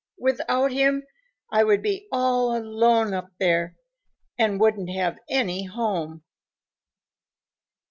Without him, I would be all alone up there and wouldn't have any home."